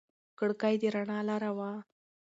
کړکۍ د رڼا لاره وه.